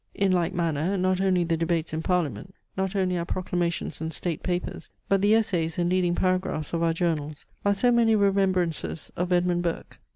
In like manner, not only the debates in parliament, not only our proclamations and state papers, but the essays and leading paragraphs of our journals are so many remembrancers of Edmund Burke.